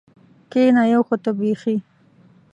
کېنه یو خو ته بېخي.